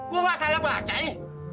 gue gak salah baca nih